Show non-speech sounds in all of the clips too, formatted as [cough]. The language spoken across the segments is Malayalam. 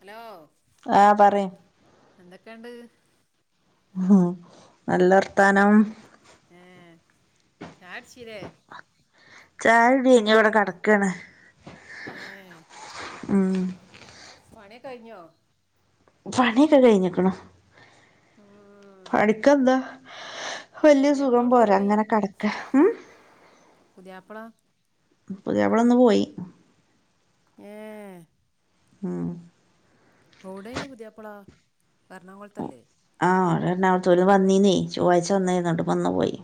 ഹലോ ആ പറി എന്തൊക്കെയണ്ട് ഉംനല്ല വർത്താനം ആ ചായടപ്പിലെ ചായമടൈത്തി ഇവിടെ കിടക്കാണ് ഏ ഉം കൈഞ്ഞോ പണിയൊക്കെ കഴിഞ്ഞക്കണ് ആ പണിക്കന്താ [inaudible] വലയ പുതിയാപ്പള സുഖം എവിടേക്കാ പോരാ പോയി അങ്ങനെ കിടക്ക ഉ പുതിയാപ്പള പുതിയാപ്ലന്ന് പോയി ഏ ഹും ഓടെ നി പുതിയാപ്പളാ എറണാകുളത്തല്ലേ എറണാകുളത് വന്നീ നി ചൊവ്ഴ്ച വന്നേരുന്നോട്ട് വന്നു പോയി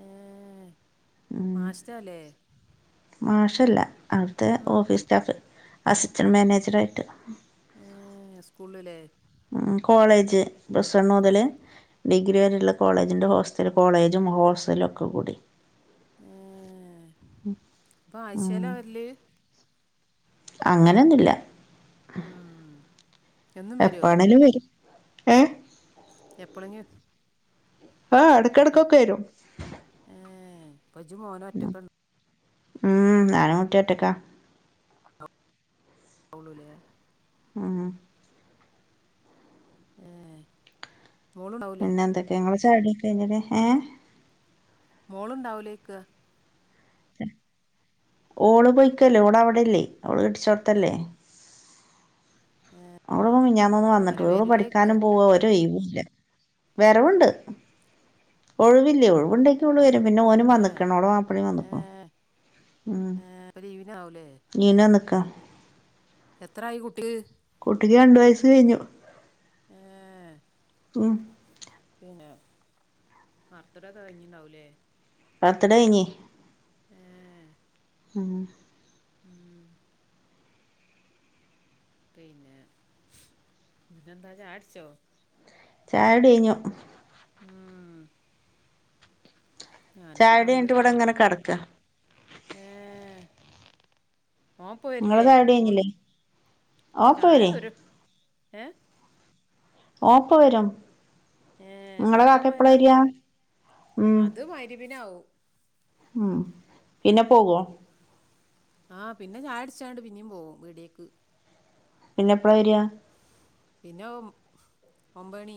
ഏർ ഉം മാസ്റ്റാലേ മാഷല്ല അവിടുത്തെ ഓഫീസ് സ്റ്റാഫ് അസിസ്റ്റൻറ് മാനേജറായിട്ട് ഏ സ്കൂള്ല്ലേ ഉ കോളേജ് പ്ലസവൺ മുതല് ആ ഡിഗ്രി വരെയട്ടുള്ള കോളേജിന്റെ ഹോസ് സ്ഥ കോളേജും ഹോസ്റ്റലും ഒക്കെ കൂടി എ പ്പൊ ഉം ആഴച്ചാലാവരല് അങ്ങനെയൊന്നുല്ല ആ എപ്പാണലും വരും ഏ എപ്പോളങ്കിങ്ക ആ ഇടക്കടക്കൊക്കെ വരും ഏ അപ്പം ഇജ്ജ് മോനെ ഒറ്റയ്ക്ക് ഉം അന്നൂറ്റി എട്ടക്കാ കൗളലെ ആ ഏ മോളുണ്ടാവൂലേ പിന്നെ എന്തൊക്കെ ങ്ങള് ചായ ടിക്കെ കയിഞിലെ മോളുണ്ടാവലേക്ക് ഓള് പോയിക്കല്ലേ ഓളവിടല്ലേ അവള് കെട്ടിച്ചോർത്തല്ലേ അവിടെ മിഞ്ഞെന്ന് വന്നിട്ട് മേലെ വരില്ലേക്ക് ള്ളുപഠിക്കാനും പോ ഒരൈയവ ല വരവുണ്ട് ഒഴിവില്ലേ ഒഴിവുണ്ട് വരും പിന്നെ ഓനും തന്നെ വന്നക്ണ് ഓള മാപ്പളി ഏ വന്നക്കുണ ഉം ഏ ഇപ്പം ലീവിനാവൂലേ നീനാ നിക്കാ എത്രായി കുട്ടി അട്ടക്ക് രണ്ടു വയസ്സ് കഴിഞ്ഞു ആഹ ഉ പിന്നെ മർത്തടൊക്കെ കഴിഞ്ഞിണ്ടാവൂലേ പത്തട ഇഞ്ഞ ഉം ആ ഉം പിന്നെ പിെെന്താച്ചാടിച്ചോ ചാട കഞ്ഞു മം ഞാന് ച ചായുടി നമ്മള് കഴിഞ്ഞിട്ട് ചാ ഇവിടെ ഇങ്ങനെ കെടക്കാ ഏ ഓ ഇങ്ങളെ പോയിരില്ലേ ചായുടി ഓ കഴിഞ്ഞില്ലേ ഓപ്പ ചായ വരെ ഒരു ഏ ഓപ്പ വരും ഏർ നിങ്ങളെ കളിക്കാൻ കാക്ക എപ്പളാ പോയതാ വരിക ഉം അത് വയരി പിിനെ ആാവവും ഉം പിന്നെ പോവോ ആഹ് പിന്നെ ഞാഴചാണ്ട് പിന്നീും പോവും വീടേക്ക് പിന്നെ എപ്പളാ വരിയാ പിന്നെം ഒമ്പണി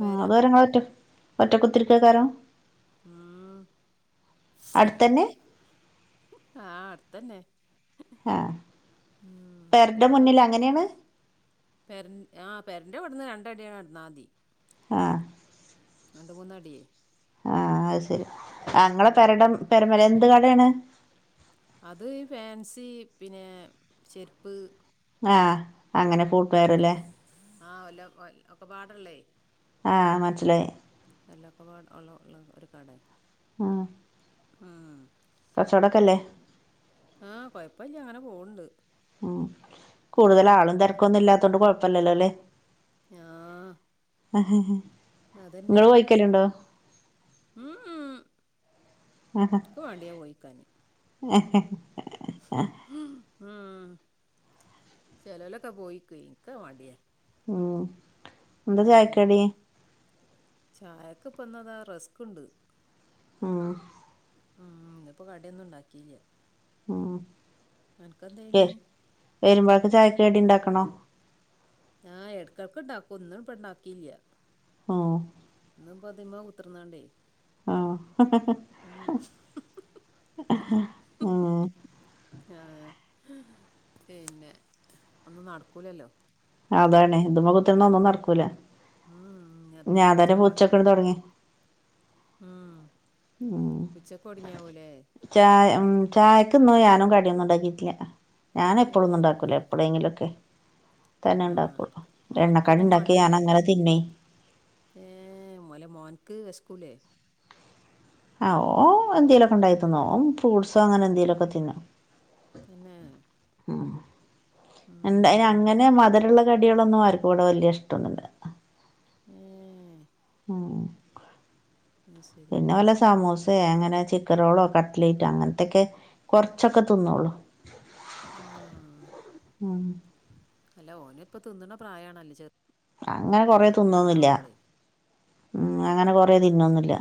ആ അ വേറെങ്ങള ഒറ്റ ഒറ്റ കുത്തിരിക്കക്കാരോ ഉം. അടുത്തന്നെ ആഹ അടുത്തന്നെ ആഹ ഉം. പെറടെ പിന്നെ ഇപ്പൊ മുന്നിൽ അങ്ങനെയാണ് പെരൻ ആ പെരന്റെറെ അവിടുന്ന് രണ്ടടാണ് ഇുന്ന ആതി ആഹ കണ്ടുപകുന്ന അടിയെ ആഹ അത് ശരി അങ്ങളെ പെരടം പെരമല എന്ത് കടയാണ് അത് ഈ ഫാൻസി പിന്നെ ചെരുപ്പ് ആ അങ്ങനെ ഫൂട്ട് വെയറല്ലേ ആഹ് വല്ല ഒക്കെ പാടുള്ളേ ആഹ് മനസ്സിലായി എല്ലക്കെപാട് ഉള്ള ഉള്ള ഒരു കട ആ ഉം കച്ചവടമൊക്കെ അല്ലേ ആഹ കൊഴപ്പില്ലല്ല അങ്ങനെ പോവണ്ട് ഉം കൂടുതൽ ആളും തിരക്കൊന്നും ഇല്ലാത്തോണ്ട് കൊഴപ്പല്ലല്ലോ അല്ലെ ആ ആാാ അതന്നെ നിങ്ങള് പോയിക്കല ഉണ്ടോ ഉം ഉ വണ്ടിയാ പോയിക്കാന് [inaudible] ഉം ചലോലൊക്കെ പോയിക്ക ഇിക്ക വണ്ടിയേ ഉം എന്താ ചായക്കടി ചായക്ക് പന്നതാ റിസ്ക്ുണ്ട് ആ ഉം ഇതിപ്പോ കടയൊന്നും ഉണ്ടാക്കിയില്ല അനക്കെന്തേനി ഉ വരുമ്പക്ക് ചായക്കേടി ഉണ്ടാക്കണോ ആഹ് ഇടക്കടക്ക ഇണ്ടാക്കും ഒന്നും ഇപ്പ ഇണ്ടാക്കിയില്ല ആഹ അ പതിമ കുത്തിർന്നാണ്ടേ ആഹ ഉം ആ പിന്നെ ഒന്നും നടക്കൂലല്ലോ അതാണ്ഇത് മ്മെകുത്തറ്ന്ന ഒന്നും നടക്കൂല ഉം ഞാൻ ഇഞ്ഞത്തിന്റിം തന്നെ ഒച്ചപ്പാടും പൂക്കച്ചടം തൊട്ങ്ങി ഉം മം ഉച്ചക്ക് ഒടിങ്ങിയാവൂലേ ചായ മ് ചായക്കൊന്നും ഞാനും കടിയൊന്നും ണ്ടാക്കിട്ടില്ല ഞാൻ എപ്പോളൊന്നും ഏഹ് ണ്ടാക്കൂല എപ്പോളെങ്കിലും ഒക്കെ തന്നെ ആഹ് ഇണ്ടാക്കുള്ളു എണ്ണക്കാടി ഉണ്ടാക്കി ഞാൻ അങ്ങനെ തിന്നേ ഏ മുല മോൻക്ക് വേഷ്കൂലെ ആ ഓ എന്തേലും ഒക്കെ ണ്ടാക്കി തിന്നോ ഓ ഫ്രൂട്സോ അങ്ങനെ എന്തേലുംക്കെ തിന്നും തന്നെ എന്ത ഉം. അങ്ങനെ മധുരള്ള കടികളൊന്നും ആർക്കും ഇവിടെ വല്യ ഇഷ്ടൊന്നുല്ല ഏ മ് അത് ശരി പിന്നെ വല്ല സമൂസ [unintelligible] അങ്ങനെ ചിക്കൻ റോളോ കട്ട്ലേറ്റോ അങ്ങനത്തൊക്കെ കുറച്ചൊക്കെ തിന്നുള്ളു ആ അല്ല ഓൻ പ്പം തിന്ന്ണ പ്രായണല്ലേ ചെറ് അങ്ങനെ കൊറെ തിന്നൊന്നുല്ല മ് അങ്ങനെ കൊറെ തിന്നൊന്നുമില്ല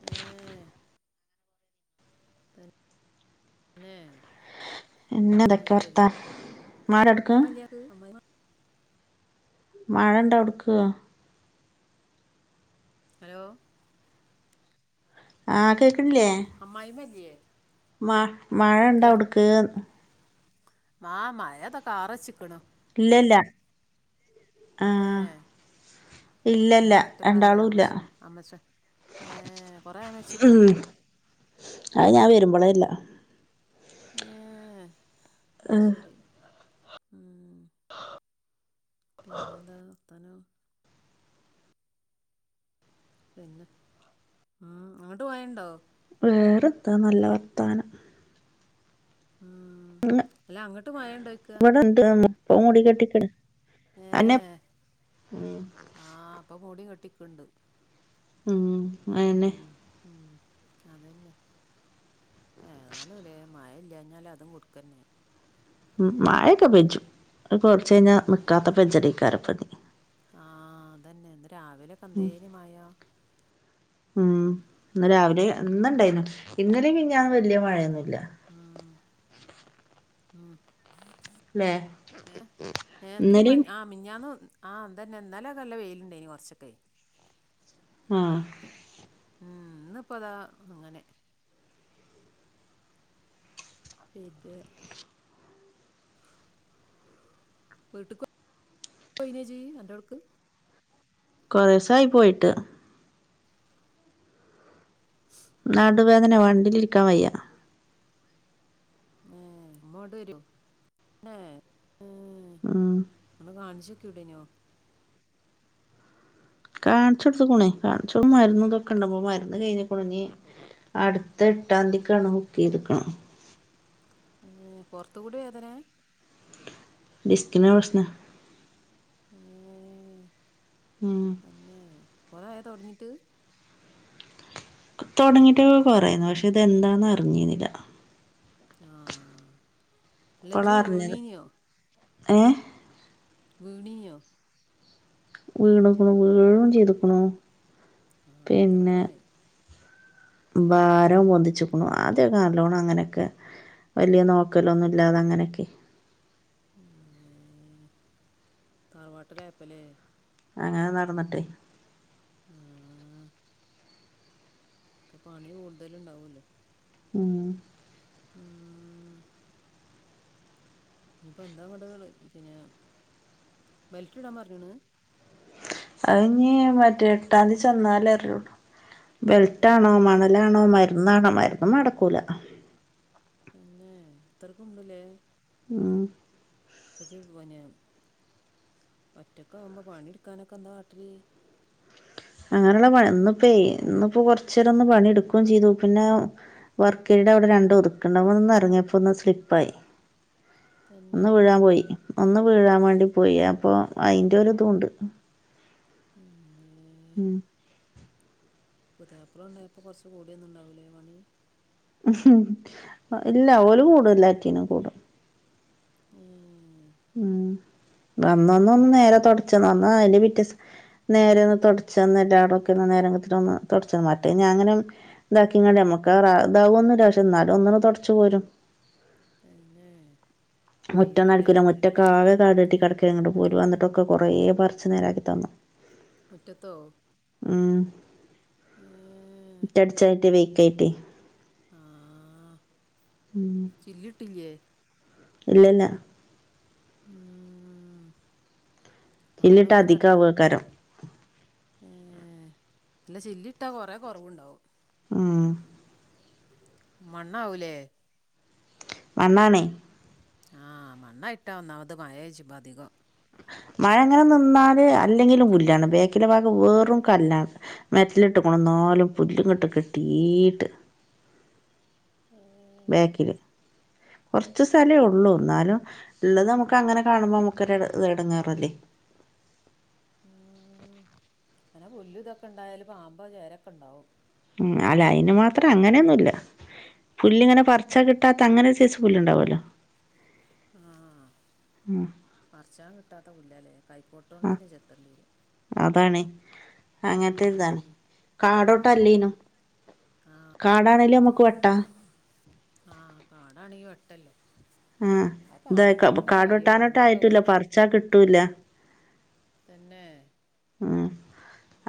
ഏ ത ന്നെ ഉമ്മ ഇല്ലേ അനക്ക്? [unintelligible] അമ്മായിമ്മ മഴ ണ്ടാവ്ട്ക്ക് ഹലോ ആ കെ അമ്മായിമ്മ ല്ലെ മ മഴ ഇണ്ടാ അവ്ട്ക്ക് മാ മഴതൊക്കെ കാറച്ചിക്ക്ണ് ഇല്ലല്ല ആ ഏ ഇല്ലല്ല മ്മ ഒറ്റക്കാലേ രണ്ടാളും ഇല്ല അമ്മച്ച അമ്മച്ച ഏ കൊറ ആയോ മര്ച്ച്ട്ട് അ അഹ് ഞാൻ വരുമ്പോളെ ല്ല ഏ അ ശരി ഉം [unintelligible] പിന്നെന്താ വർത്താനം പിന്നെ ആ അങ്ങോട്ട് മഴണ്ടോ വേറെത്ത നല്ല വർത്താനം മ് അല്ല അങ്ങട്ട് മഴണ്ടോയ്ക്ക ഒന് മുടി കെട്ടിക്ക്ന് അന്നേ ട്ടിക്ണ്ട് മം അന്നെ ഉം അതന്നെ ഏതാലും ലെ മഴ കഴിഞ്ഞാൽ അതും കൊടുക്കന്നെ ഉ മഴൊക്കെ പെജ്ജും അഹ് കൊറച്ച് കഴിഞ്ഞാ ഉം നിക്കാത്ത പെജ്ജലേക്കാരം രാവിലെ കന്തേനുമാഴ ഉം ഇന്ന് രാവിലെ ഇന്ന് ണ്ടെന്യു ഇന്നലും മിഞ്ഞാന്നും വെല്ല്യ മഴയൊന്നുല്ല ആ മ് ല്ലേ ഏ ഏ ന്നെലിയും ഇന്നലെയും ആ മിഞ്ഞ മിഞ്ഞാന്ന് വന്ന് ആഹ് അതന്നെ ഇന്നലൊക്കെ നല്ല വെയിലുണ്ടായിനി കൊറച്ചൊക്കെ ആ ഉം ഇന്ന് ഇപ്പതാ ഇങ്ങനെ ഇത് വീട്ടുക്ക്‌ പോയിനേജി എന്റെ അൾക്ക് കൊറെ ദിവസ ആയി പോയിട്ട് വേദന വണ്ടിലിരിക്കാൻ വയ്യ ഏ അമ്മോട് വരുവേ ആ [unintelligible] കാണിച്ചുടുത്ത് കുണേ കാണിചു മരുന്നൊക്കെ കണ്ടപ്പോ മരുന്ന് കഴിഞ്ഞേകുണുനി അടുത്ത എട്ടാതികാണ് ബുക്ക് ചെയ്തിക്കണേ പുറത്ത് കൂടി വേദനയാ ഡിസ്കിനാ പ്രശ്നം ഏ ഉം അന്നെ കുറയി തുടങ്ങിട്ട് തുടങ്ങിട്ട് ഇപ്പൊ കുറെയായി പക്ഷെ ഇതെന്താന്ന അറിഞ്ഞീന്നില്ല ആ ലജി വിണീനോ ഏ വിണിനിയൊ വിണുക്കിണു വീഴും ചെയ്തുക്കിണു ആ പിന്നെ അതുകൊണ്ടാണ് ഭാരം പൊന്തിച്ചുക്കണു ആദ്യക്കെ നല്ലോണം അങ്ങനെയൊക്കെ വലിയ നോക്കലൊന്നും ഇല്ലാതെ അങ്ങനെയൊക്കെ ഏ തറവാട്ടിലായപ്പോല്ലേ അങ്ങനെ നടന്നിട്ടെ ആ ഇക്കെ പണി കൂടുതല്‌ ഇണ്ടാവല്ലോ ഉം മ്മ് ഇനിയിപ്പോ എന്താ കൊണ്ട പിന്നെ ബെൽറ്റ് ഇടാൻ പറഞ്ഞിണു അയിനി മറ്റെ എട്ടാംതി ചെന്നാലേ അറിയുള്ളു ബെൽറ്റ് ആണോ തന്നെ മണലാണോ മരുന്നാണോ മരുന്നുമേ നടക്കൂല തന്നെ അത്രക്ക് ഉണ്ടല്ലേ ആ [unintelligible] ഒറ്റക്ക് ആവുമ്പോ പണി എടുക്കാനൊക്കെ എന്താ കാട്ടല് അങ്ങനുള്ള പ ഇന്നിപ്പോ ഇന്നിപ്പോ കൊറച്ച് നേരം ഒന്ന് പണിടുക്കുയും ചെയ്തു പിന്നെ വർക്ക്‌ ഏരിടെ അവിടെ രണ്ട് ഒതുക്ക് ഉണ്ട് അവിടുന്ന് ഇറങ്ങിയപ്പോ ഒന്ന് സ്ലിപ്പായി തന്നെ ഒന്ന് വീഴാൻ പോയി ഒന്ന് വീഴാൻ വേണ്ടി പോയി അപ്പൊ അയിന്റെ ഒരിതുണ്ട് അമ്മേ ഉം പുതിയപ്പള ഉണ്ടായപ്പോ കൊറച്ച് കൂടിയൊന്നും ഉണ്ടാവൂലേ പണി ഇല്ല ഓലും കൂടുംല്ലാറ്റിനും കൂടെ ഏ ഉം വന്നൊന്ന് ഒന്ന് നേരെ തൊടച്ച് തന്ന് വന്ന് അതിന്റെ പിറ്റേ ദിവസം നേരെ തൊടച്ചന്ന് എല്ലടക്കെ മറ്റേ ഞാൻ അങ്ങനെ ഇതാക്കി കൊണ്ടേ നമ്മക്കെ ഇതാവു ഒന്നുല്ല എന്നാലും ഒന്നുടെ തൊട [unintelligible] തന്നെ മുറ്റാന്ന് കയ്യൂലല്ലേ അടിക്കൂല മുറ്റക്കെ പണിയെടുക്കാന് ആകെ കാട് കെട്ടി കിടക്കുക ങ്ങോട്ട് പോല വന്നിട്ടൊക്കെ കൊറേ പറിച്ച് നേരാക്കി തന്നു മുറ്റേത്തോ ഉം മുറ്റടിച്ചായിട്ട് വെയിക്കായിട്ടേ ആഹ് ഉം കുട്ടില്ല്യേ? ഇല്ലല്ലാ. മം ചില്ല്ട്ടാ അധികാവുഅയ്ക്കാരിം. ഏ ല്ല ചില്ലി ഇട്ടാ കുറെ കൊറവ്ണ്ടാവും. ആ മണ്ണാവൂലെ മണ്ണാണേ ആ മണ്ണയ് ഇട്ട ഒന്നമത് മയ്ജ്മ്പോ അധികവും. മഴ ഇങ്ങനെ നിന്നാല് അല്ലെങ്കിലും പുല്ലാണ് ബേക്കില ഭാഗം വെറും കല്ലാണ് മെറ്റിലിട്ടു. ന്നാലും പുല്ല് ഇങ്ങട്ട് കെട്ടീട്ട്. മം ബേക്കില്. കൊറച്ച് സ്ഥലേ തന്നെ ഉള്ളു ഇ ന്നാലും ഇള്ളത് നമുക്ക് [unintelligible] നക്ക അങ്ങനെ കാണുമ്പോ നമുക് എടങ്ങാറല്ലേ? മം ഇങ്ങനെ പുല്ലും ഇതൊക്കെ ഇണ്ടായല് പാമ്പോ ചേരൊക്കെ ഉണ്ടാവും. മം അല്ല അയിന് മാത്രം അങ്ങനെയൊന്നുമല്ല. പുല്ല്ങ്ങനെ പറച്ച ഏഹ് കിട്ടാത്ത അങ്ങനെ ഒരു സെയ്‌സ് പുല്ല് ഇണ്ടല്ലോ? ആഹ് ഉം പറ്ച്ചാ കിട്ടാത്ത പുല്ലാല്ലേ ആഹ് കൈക്കോട്ടോണ്ടെന്നെ ചെത്തണ്ട്യേരും. അങ്ങൻത്തെ ഇതാണ് കാടോട്ട് ആഹ് അല്ലേയ്ന്നും കാടാ അയ്ല് ഞമക്ക് വെട്ട ആഹ് കാടാണെങ്കി വെട്ടല്ലൊ ആഹ് ഇത് കാട് കയ്യുള്ളൂ വെട്ടാനേറ്റെ നമ്മളൊക്കെ ആയിറ്റുല്ല പറിച്ച കിട്ടൂല്ല. തെന്നെ ഉം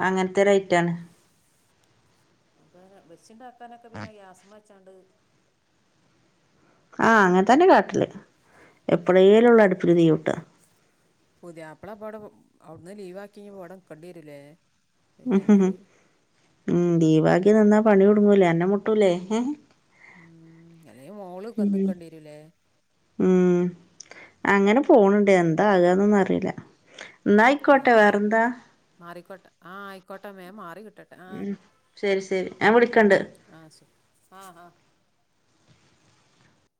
അങ്ങനത്തെ ഒരയിറ്റാണ്. വേറെ വെച്ച് ഇണ്ടാക്കാനൊക്കെ പിന്നെ ഗ്യാസ്സ്മ്മേച്ചാണ്ട് ആഹ് അങ്ങൻ തന്നെ കാട്ടല് എപ്പളേലൊള്ളു അടുപ്പില് തീയൂട്ട. പുതിയാപ്ല ഇപ്പൊ ഔടെ അവുട്ന്ന് ലീവ് ആക്കി ഇനി ഇവടെ നിക്കെണ്ട്യേരുലേ? ഉ ഉം ഉം ലീവാക്കി നിന്നാ പണി കു ടുങ്ങൂലേ അന്നം മുട്ടൂല്ലേ? ഉം അല്ലെങ്കി മോള് വന്ന് ക്കണ്ട്യേരുലെ? ഉം അങ്ങനെ പോണ്ണ്ണ്ട് എന്താ ആ വന്നൊന്നും അറീല. ഏതാലും മാറിക്കോട്ടെ ആഹ് ആയിക്കോട്ടെ മേം മാറി ട്ടട്ടെ ആഹ് ശരി ശരി ഞാൻ ഉം വിളിക്കണ്ട് അഹ് ഷ് ആഹ് ആഹ്